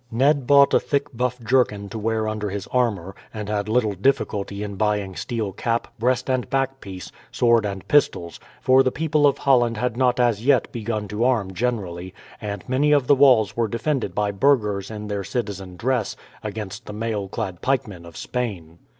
Ned bought a thick buff jerkin to wear under his armour, and had little difficulty in buying steel cap, breast and back piece, sword and pistols; for the people of Holland had not as yet begun to arm generally, and many of the walls were defended by burghers in their citizen dress, against the mail clad pikemen of Spain.